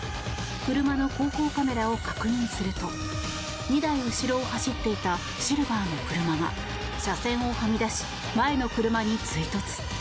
車の後方カメラを確認すると２台後ろを走っていたシルバーの車が車線をはみ出し、前の車に追突。